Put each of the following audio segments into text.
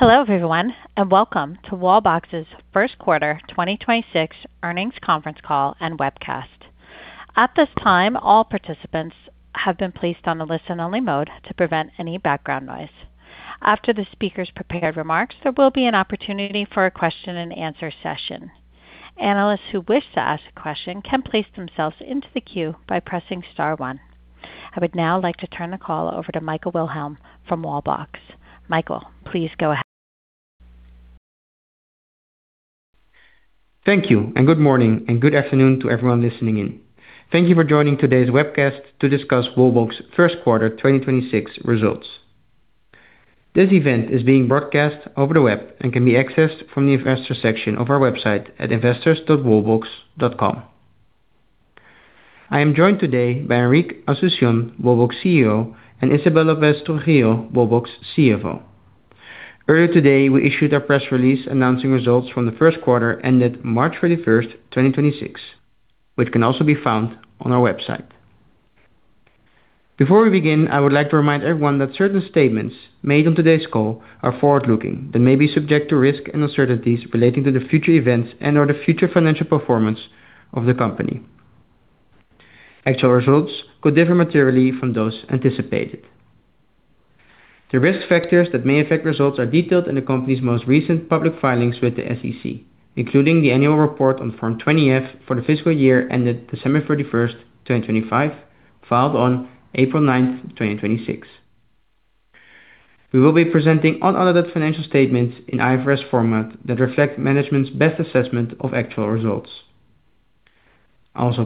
Hello, everyone, and welcome to Wallbox's first quarter 2026 earnings conference call and webcast. At this time, all participants have been placed on a listen-only mode to prevent any background noise. After the speaker's prepared remark, there will be an opportunity for a question and answer session. Analysts who wish to ask a question can place themselves into the queue by pressing star one. I would now like to turn the call over to Michael Wilhelm from Wallbox. Michael, please go ahead. Thank you. Good morning and good afternoon to everyone listening in. Thank you for joining today's webcast to discuss Wallbox first quarter 2026 results. This event is being broadcast over the web and can be accessed from the Investor section of our website at investors.wallbox.com. I am joined today by Enric Asunción, Wallbox CEO, and Isabel López Trujillo, Wallbox CFO. Earlier today, we issued our press release announcing results from the first quarter ended March 31st, 2026, which can also be found on our website. Before we begin, I would like to remind everyone that certain statements made on today's call are forward-looking that may be subject to risks and uncertainties relating to the future events and/or the future financial performance of the company. Actual results could differ materially from those anticipated. The risk factors that may affect results are detailed in the company's most recent public filings with the SEC, including the annual report on Form 20-F for the fiscal year ended December 31st, 2025, filed on April 9th, 2026. We will be presenting unaudited financial statements in IFRS format that reflect management's best assessment of actual results.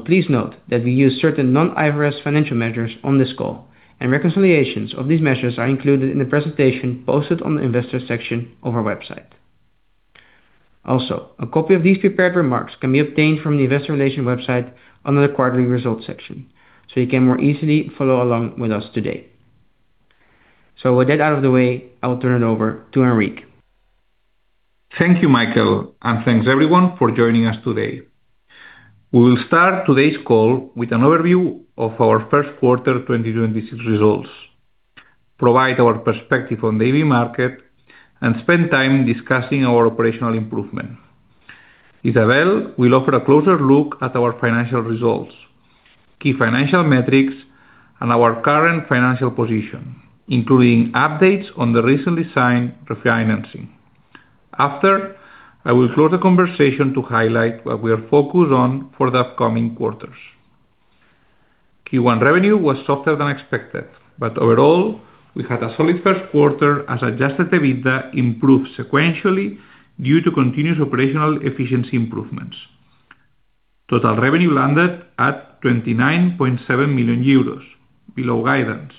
Please note that we use certain non-IFRS financial measures on this call and reconciliations of these measures are included in the presentation posted on the Investor section of our website. A copy of these prepared remarks can be obtained from the investor relation website under the quarterly results section, you can more easily follow along with us today. With that out of the way, I will turn it over to Enric. Thank you, Michael, and thanks everyone for joining us today. We will start today's call with an overview of our first quarter 2026 results, provide our perspective on the EV market, and spend time discussing our operational improvement. Isabel will offer a closer look at our financial results, key financial metrics, and our current financial position, including updates on the recent assigned refinancing. After, I will close the conversation to highlight what we are focused on for the upcoming quarters. Q1 revenue was softer than expected, but overall, we had a solid first quarter as adjusted EBITDA improved sequentially due to continuous operational efficiency improvements. Total revenue landed at 29.7 million euros below guidance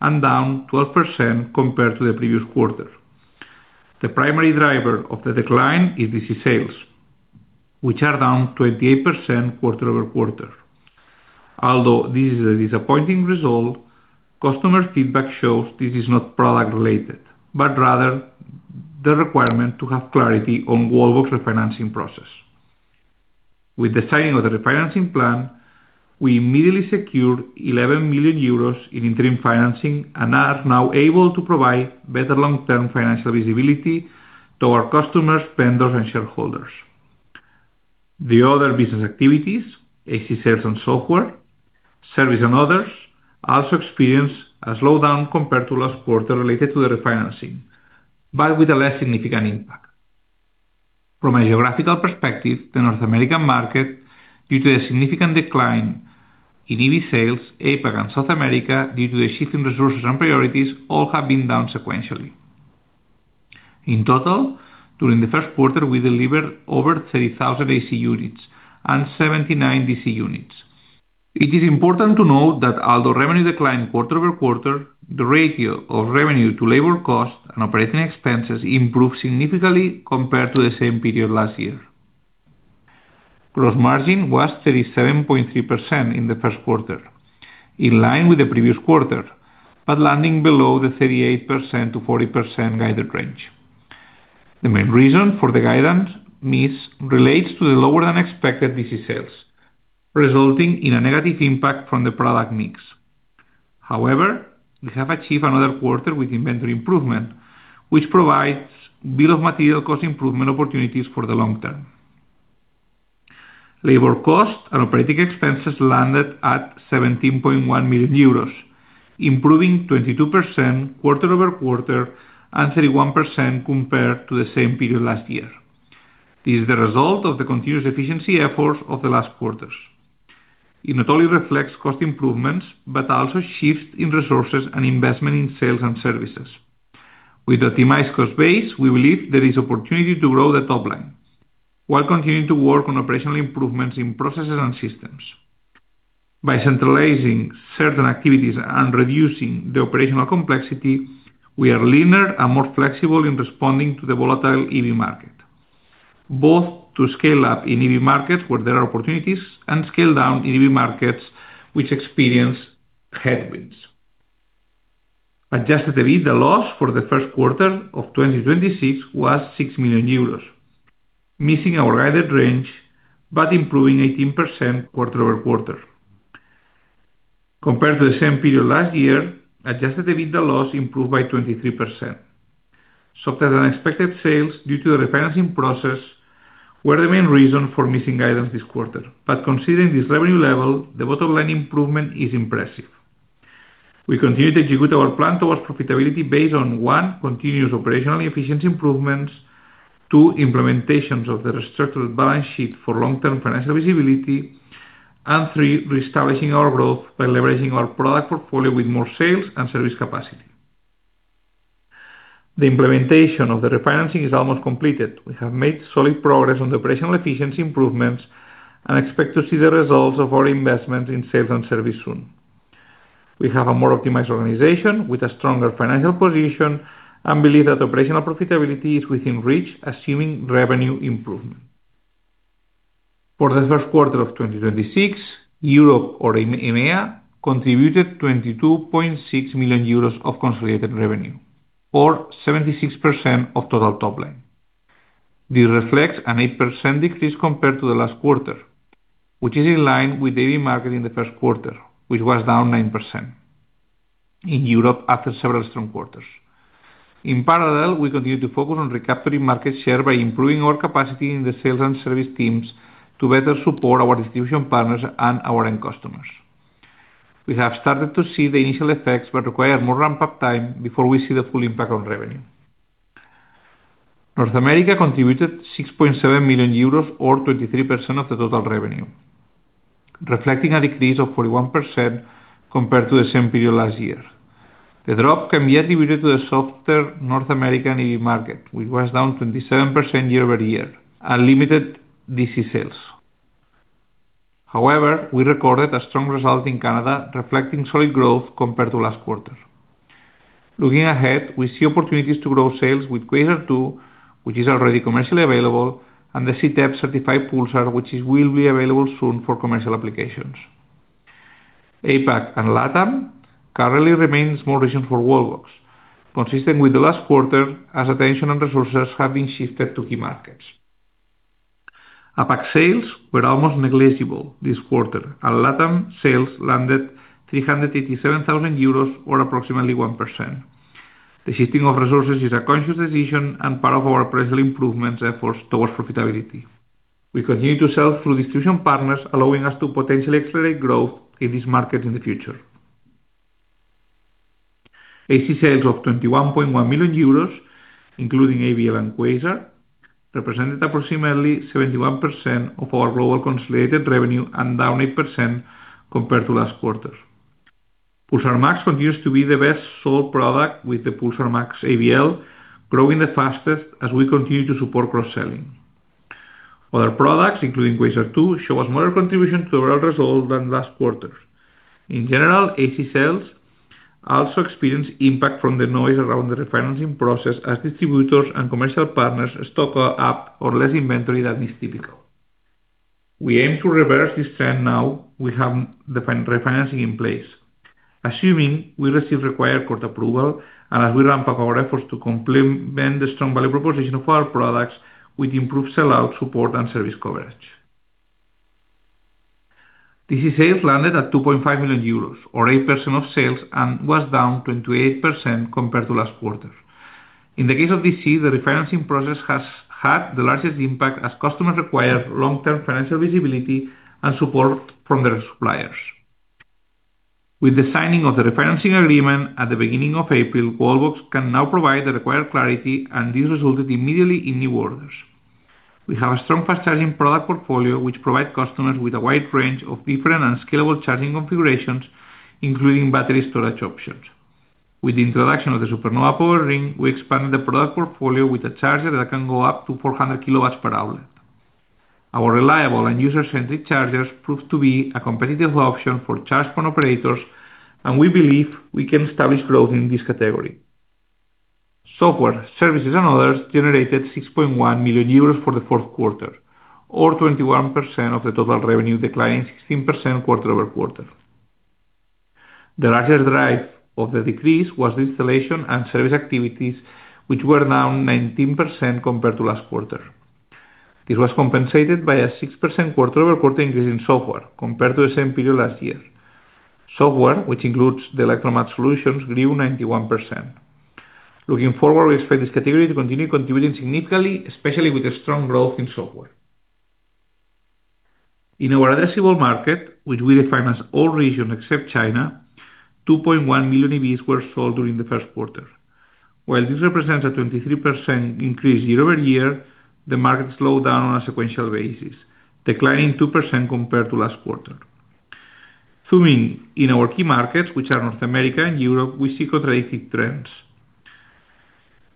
and down 12% compared to the previous quarter. The primary driver of the decline is DC sales, which are down 28% quarter-over-quarter. Although this is a disappointing result, customer feedback shows this is not product related, but rather the requirement to have clarity on Wallbox refinancing process. With the signing of the refinancing plan, we immediately secured 11 million euros in interim financing and are now able to provide better long-term financial visibility to our customers, vendors, and shareholders. The other business activities, AC sales and software, service and others, also experienced a slowdown compared to last quarter related to the refinancing, but with a less significant impact. From a geographical perspective, the North American market, due to a significant decline in EV sales, APAC and South America, due to the shifting resources and priorities, all have been down sequentially. In total, during the first quarter, we delivered over 30,000 AC units and 79 DC units. It is important to note that although revenue declined quarter-over-quarter, the ratio of revenue to labor cost and operating expenses improved significantly compared to the same period last year. Gross margin was 37.3% in the first quarter, in line with the previous quarter, but landing below the 38%-40% guided range. The main reason for the guidance miss relates to the lower than expected DC sales, resulting in a negative impact from the product mix. However, we have achieved another quarter with inventory improvement, which provides bill of materials cost improvement opportunities for the long term. Labor cost and operating expenses landed at 17.1 million euros, improving 22% quarter-over-quarter and 31% compared to the same period last year. This is the result of the continuous efficiency efforts of the last quarters. It not only reflects cost improvements, but also shifts in resources and investment in sales and services. With optimized cost base, we believe there is opportunity to grow the top line while continuing to work on operational improvements in processes and systems. By centralizing certain activities and reducing the operational complexity, we are leaner and more flexible in responding to the volatile EV market, both to scale up in EV markets where there are opportunities and scale down in EV markets which experience headwinds. Adjusted EBITDA loss for the first quarter of 2026 was 6 million euros, missing our guided range, but improving 18% quarter-over-quarter. Compared to the same period last year, adjusted EBITDA loss improved by 23%. Softer-than-expected sales due to the refinancing process were the main reason for missing guidance this quarter. Considering this revenue level, the bottom line improvement is impressive. We continue to execute our plan towards profitability based on, one, continuous operational efficiency improvements, two, implementations of the restructured balance sheet for long-term financial visibility, and three, reestablishing our growth by leveraging our product portfolio with more sales and service capacity. The implementation of the refinancing is almost completed. We have made solid progress on the operational efficiency improvements and expect to see the results of our investment in sales and service soon. We have a more optimized organization with a stronger financial position and believe that operational profitability is within reach, assuming revenue improvement. For the first quarter of 2026, Europe or EMEA contributed 22.6 million euros of consolidated revenue, or 76% of total top line. This reflects an 8% decrease compared to the last quarter, which is in line with EV market in the first quarter, which was down 9% in Europe after several strong quarters. In parallel, we continue to focus on recapturing market share by improving our capacity in the sales and service teams to better support our distribution partners and our end customers. We have started to see the initial effects, but require more ramp-up time before we see the full impact on revenue. North America contributed 6.7 million euros, or 23% of the total revenue, reflecting a decrease of 41% compared to the same period last year. The drop can be attributed to the softer North American EV market, which was down 27% year-over-year and limited DC sales. However, we recorded a strong result in Canada, reflecting solid growth compared to last quarter. Looking ahead, we see opportunities to grow sales with Quasar 2, which is already commercially available, and the CTEP certified Pulsar, which will be available soon for commercial applications. APAC and LATAM currently remains more region for Wallbox, consistent with the last quarter, as attention and resources have been shifted to key markets. APAC sales were almost negligible this quarter, and LATAM sales landed 387,000 euros, or approximately 1%. The shifting of resources is a conscious decision and part of our operational improvements efforts towards profitability. We continue to sell through distribution partners, allowing us to potentially accelerate growth in this market in the future. AC sales of 21.1 million euros, including ABL and Quasar, represented approximately 71% of our global consolidated revenue and down 8% compared to last quarter. Pulsar Max continues to be the best-sold product, with the Pulsar Max ABL growing the fastest as we continue to support cross-selling. Other products, including Quasar 2, show a smaller contribution to the overall result than last quarter. In general, AC sales also experienced impact from the noise around the refinancing process as distributors and commercial partners stock up or less inventory than is typical. We aim to reverse this trend now we have the refinancing in place, assuming we receive required court approval and as we ramp up our efforts to complement the strong value proposition of our products with improved sell-out support and service coverage. DC sales landed at 2.5 million euros, or 8% of sales, and was down 28% compared to last quarter. In the case of DC, the refinancing process has had the largest impact as customers require long-term financial visibility and support from their suppliers. With the signing of the refinancing agreement at the beginning of April, Wallbox can now provide the required clarity, and this resulted immediately in new orders. We have a strong fast-charging product portfolio, which provide customers with a wide range of different and scalable charging configurations, including battery storage options. With the introduction of the Supernova PowerRing, we expanded the product portfolio with a charger that can go up to 400 kWh. Our reliable and user-centric chargers proved to be a competitive option for charge point operators, and we believe we can establish growth in this category. Software, services, and others generated 6.1 million euros for the fourth quarter, or 21% of the total revenue, declining 16% quarter-over-quarter. The largest drive of the decrease was the installation and service activities, which were down 19% compared to last quarter. This was compensated by a 6% quarter-over-quarter increase in software compared to the same period last year. Software, which includes the Electromaps solutions, grew 91%. Looking forward, we expect this category to continue contributing significantly, especially with the strong growth in software. In our addressable market, which we define as all regions except China, 2.1 million EVs were sold during the first quarter. While this represents a 23% increase year-over-year, the market slowed down on a sequential basis, declining 2% compared to last quarter. Zooming in our key markets, which are North America and Europe, we see contrasting trends.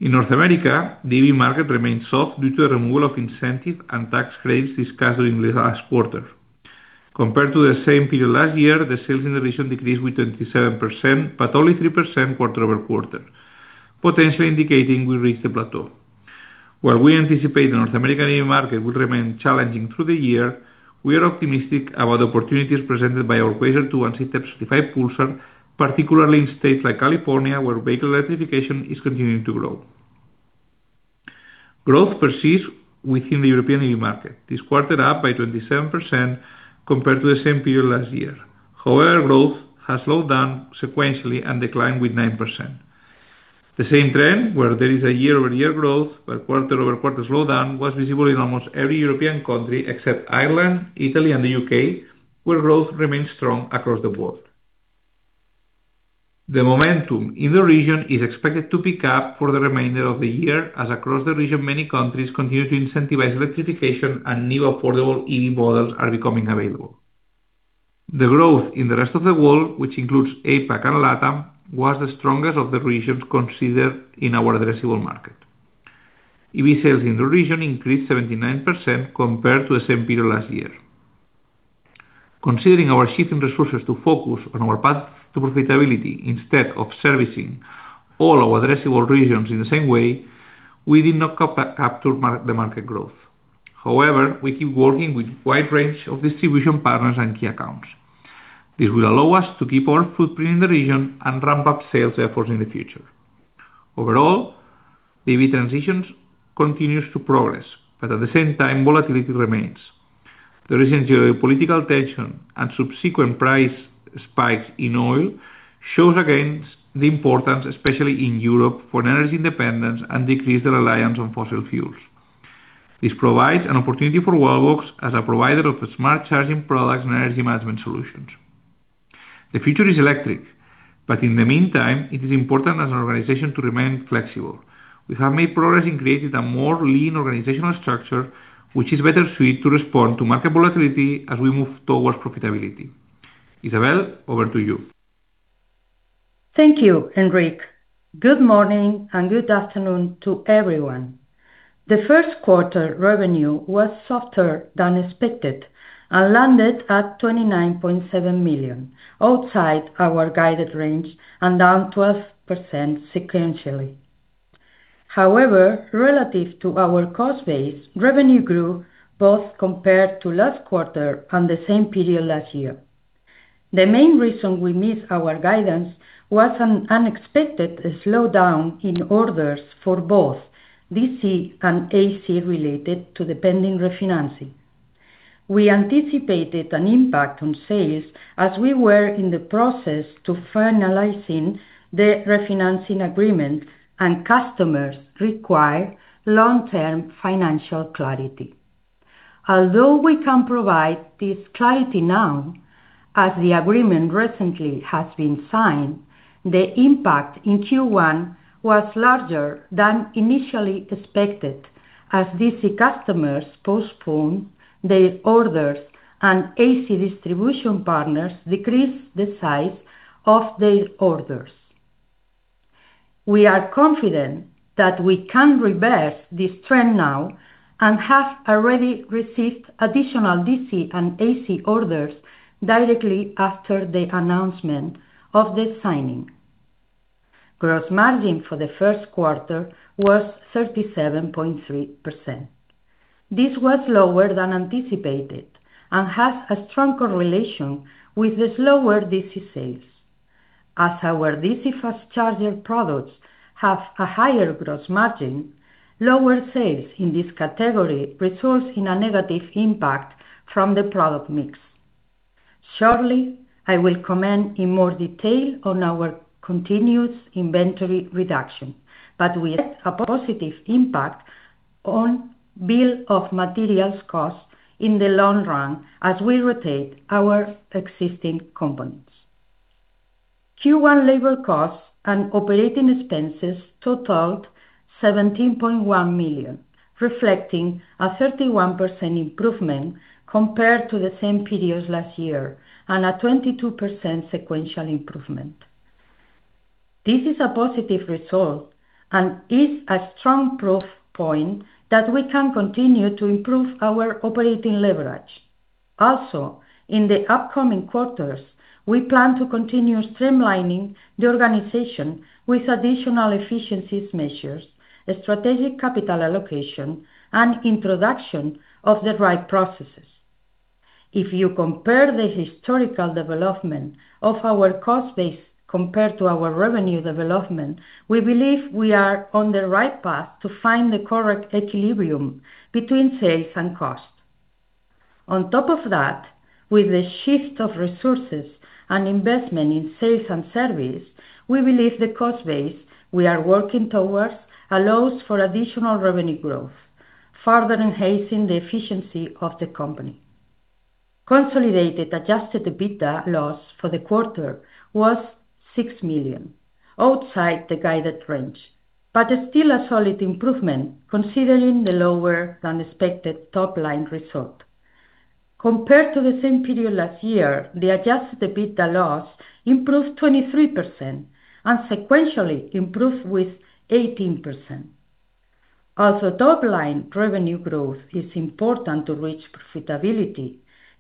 In North America, the EV market remains soft due to the removal of incentives and tax credits discussed during the last quarter. Compared to the same period last year, the sales in the region decreased with 27%, but only 3% quarter-over-quarter, potentially indicating we reached a plateau. While we anticipate the North American EV market will remain challenging through the year, we are optimistic about the opportunities presented by our Quasar 2 and CTEP certified Pulsar, particularly in states like California, where vehicle electrification is continuing to grow. Growth proceeds within the European EV market. This quarter up by 27% compared to the same period last year. Growth has slowed down sequentially and declined with 9%. The same trend where there is a year-over-year growth, but quarter-over-quarter slowdown was visible in almost every European country except Ireland, Italy, and the U.K., where growth remains strong across the board. The momentum in the region is expected to pick up for the remainder of the year as across the region, many countries continue to incentivize electrification and new affordable EV models are becoming available. The growth in the rest of the world, which includes APAC and LATAM, was the strongest of the regions considered in our addressable market. EV sales in the region increased 79% compared to the same period last year. Considering our shifting resources to focus on our path to profitability instead of servicing all our addressable regions in the same way, we did not capture the market growth. However, we keep working with wide range of distribution partners and key accounts. This will allow us to keep our footprint in the region and ramp up sales efforts in the future. Overall, EV transitions continues to progress, but at the same time, volatility remains. The recent geopolitical tension and subsequent price spikes in oil shows again the importance, especially in Europe, for energy independence and decrease the reliance on fossil fuels. This provides an opportunity for Wallbox as a provider of smart charging products and energy management solutions. The future is electric, but in the meantime, it is important as an organization to remain flexible. We have made progress in creating a more lean organizational structure, which is better suited to respond to market volatility as we move towards profitability. Isabel, over to you. Thank you, Enric. Good morning and good afternoon to everyone. The first quarter revenue was softer than expected and landed at 29.7 million, outside our guided range and down 12% sequentially. However, relative to our cost base, revenue grew both compared to last quarter and the same period last year. The main reason we missed our guidance was an unexpected slowdown in orders for both DC and AC related to the pending refinancing. We anticipated an impact on sales as we were in the process to finalizing the refinancing agreement and customers require long-term financial clarity. Although we can provide this clarity now, as the agreement recently has been signed, the impact in Q1 was larger than initially expected as DC customers postponed their orders and AC distribution partners decreased the size of their orders. We are confident that we can reverse this trend now and have already received additional DC and AC orders directly after the announcement of the signing. Gross margin for the first quarter was 37.3%. This was lower than anticipated and has a strong correlation with the slower DC sales. As our DC fast charger products have a higher gross margin, lower sales in this category results in a negative impact from the product mix. Shortly, I will comment in more detail on our continuous inventory reduction, we had a positive impact on bill of materials cost in the long run as we rotate our existing components. Q1 labor costs and operating expenses totaled 17.1 million, reflecting a 31% improvement compared to the same period last year and a 22% sequential improvement. This is a positive result and is a strong proof point that we can continue to improve our operating leverage. In the upcoming quarters, we plan to continue streamlining the organization with additional efficiencies measures, strategic capital allocation, and introduction of the right processes. If you compare the historical development of our cost base compared to our revenue development, we believe we are on the right path to find the correct equilibrium between sales and cost. On top of that, with the shift of resources and investment in sales and service, we believe the cost base we are working towards allows for additional revenue growth, further enhancing the efficiency of the company. Consolidated adjusted EBITDA loss for the quarter was 6 million, outside the guided range, but still a solid improvement considering the lower than expected top-line result. Compared to the same period last year, the adjusted EBITDA loss improved 23% and sequentially improved with 18%. Top-line revenue growth is important to reach profitability.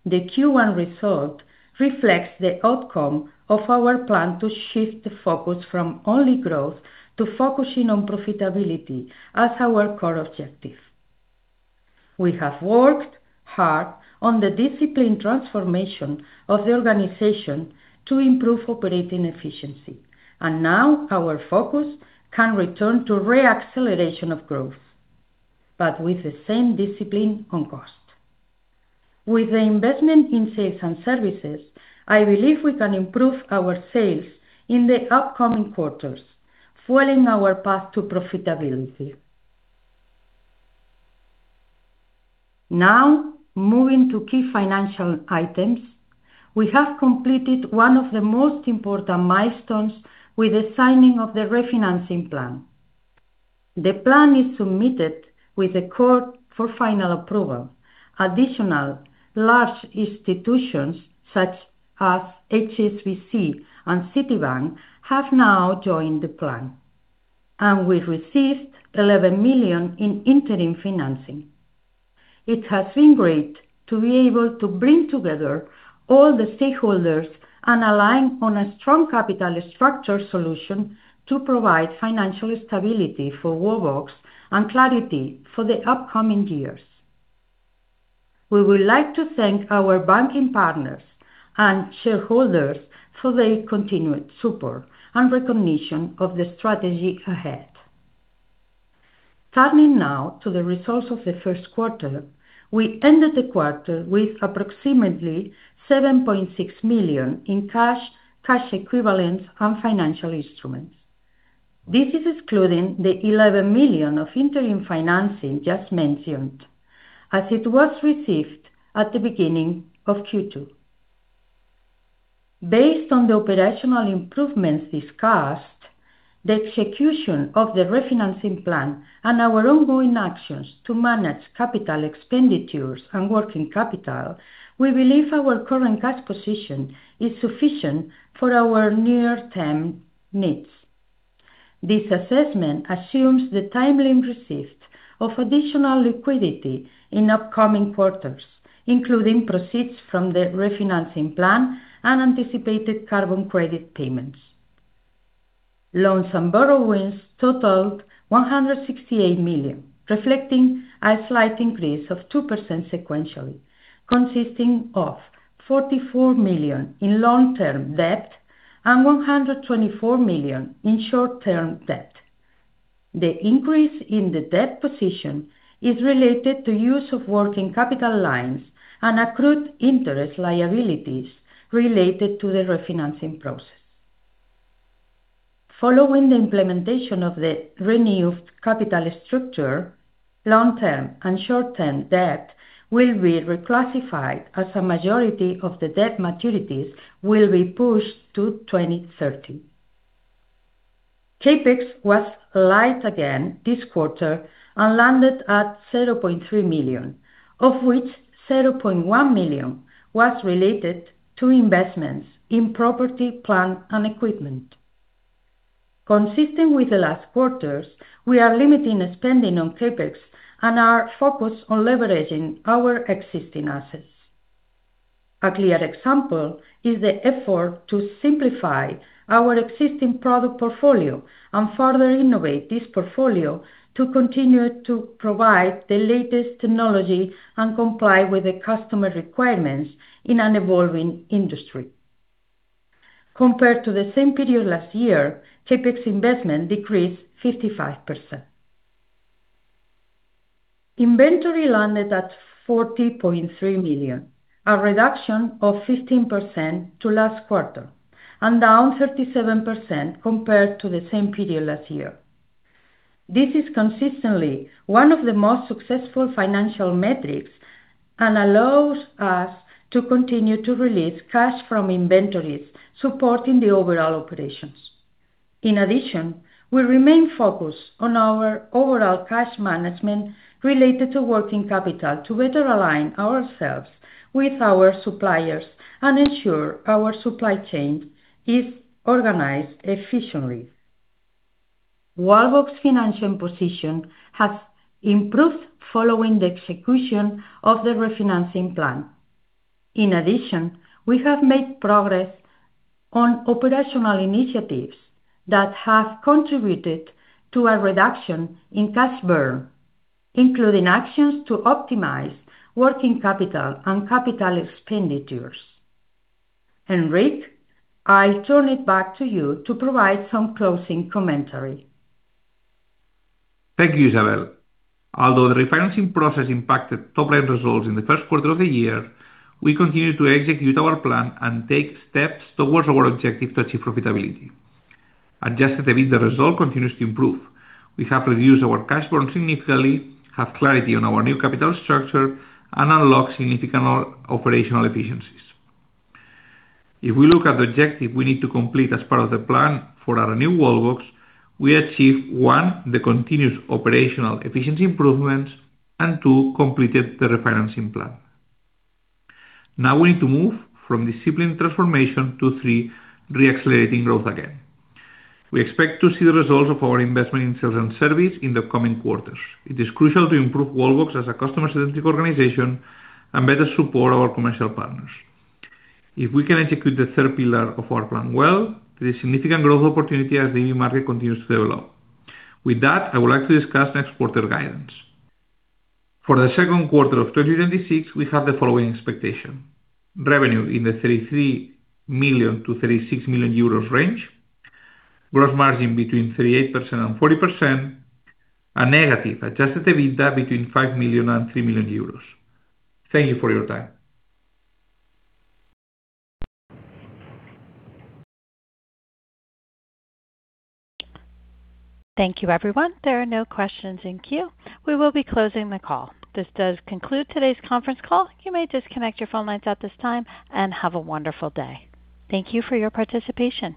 The Q1 result reflects the outcome of our plan to shift the focus from only growth to focusing on profitability as our core objective. We have worked hard on the discipline transformation of the organization to improve operating efficiency. Now our focus can return to re-acceleration of growth, but with the same discipline on cost. With the investment in sales and services, I believe we can improve our sales in the upcoming quarters, fueling our path to profitability. Now, moving to key financial items, we have completed one of the most important milestones with the signing of the refinancing plan. The plan is submitted with the court for final approval. Additional large institutions, such as HSBC and Citibank, have now joined the plan, and we received 11 million in interim financing. It has been great to be able to bring together all the stakeholders and align on a strong capital structure solution to provide financial stability for Wallbox and clarity for the upcoming years. We would like to thank our banking partners and shareholders for their continued support and recognition of the strategy ahead. Turning now to the results of the first quarter, we ended the quarter with approximately 7.6 million in cash equivalents, and financial instruments. This is excluding the 11 million of interim financing just mentioned, as it was received at the beginning of Q2. Based on the operational improvements discussed, the execution of the refinancing plan and our ongoing actions to manage capital expenditures and working capital, we believe our current cash position is sufficient for our near-term needs. This assessment assumes the timely receipt of additional liquidity in upcoming quarters, including proceeds from the refinancing plan and anticipated carbon credit payments. Loans and borrowings totaled 168 million, reflecting a slight increase of 2% sequentially, consisting of 44 million in long-term debt and 124 million in short-term debt. The increase in the debt position is related to use of working capital lines and accrued interest liabilities related to the refinancing process. Following the implementation of the renewed capital structure, long-term and short-term debt will be reclassified as a majority of the debt maturities will be pushed to 2030. CapEx was light again this quarter and landed at 0.3 million, of which 0.1 million was related to investments in property, plant, and equipment. Consistent with the last quarters, we are limiting spending on CapEx and are focused on leveraging our existing assets. A clear example is the effort to simplify our existing product portfolio and further innovate this portfolio to continue to provide the latest technology and comply with the customer requirements in an evolving industry. Compared to the same period last year, CapEx investment decreased 55%. Inventory landed at 40.3 million, a reduction of 15% to last quarter and down 37% compared to the same period last year. This is consistently one of the most successful financial metrics and allows us to continue to release cash from inventories, supporting the overall operations. We remain focused on our overall cash management related to working capital to better align ourselves with our suppliers and ensure our supply chain is organized efficiently. Wallbox financial position has improved following the execution of the refinancing plan. We have made progress on operational initiatives that have contributed to a reduction in cash burn, including actions to optimize working capital and capital expenditures. Enric, I turn it back to you to provide some closing commentary. Thank you, Isabel. Although the refinancing process impacted top line results in the first quarter of the year, we continue to execute our plan and take steps towards our objective to achieve profitability. Adjusted EBITDA result continues to improve. We have reduced our cash burn significantly, have clarity on our new capital structure, and unlock significant operational efficiencies. If we look at the objective we need to complete as part of the plan for our new Wallbox, we achieve, one, the continuous operational efficiency improvements and, two, completed the refinancing plan. Now we need to move from disciplined transformation to, three, re-accelerating growth again. We expect to see the results of our investment in sales and service in the coming quarters. It is crucial to improve Wallbox as a customer-centric organization and better support our commercial partners. If we can execute the third pillar of our plan well, there is significant growth opportunity as the new market continues to develop. With that, I would like to discuss next quarter guidance. For the second quarter of 2026, we have the following expectation: revenue in the 33 million-36 million euros range, gross margin between 38% and 40%, and negative adjusted EBITDA between 5 million and 3 million euros. Thank you for your time. Thank you, everyone. There are no questions in queue. We will be closing the call. This does conclude today's conference call. You may disconnect your phone lines at this time, and have a wonderful day. Thank you for your participation.